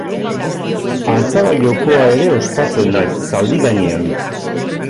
Antzara-jokoa ere ospatzen da, zaldi gainean.